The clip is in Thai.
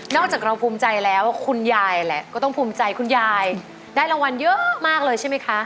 อกจากเราภูมิใจแล้วคุณยายแหละก็ต้องภูมิใจคุณยายได้รางวัลเยอะมากเลยใช่ไหมคะ